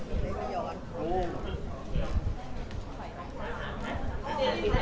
อีกหนึ่งนั้นเราหันไปได้ค่ะ